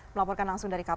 melaporkan langsung dari kapo